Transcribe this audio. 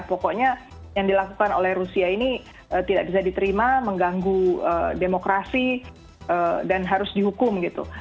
pokoknya yang dilakukan oleh rusia ini tidak bisa diterima mengganggu demokrasi dan harus dihukum gitu